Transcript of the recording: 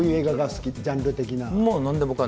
ジャンル的には？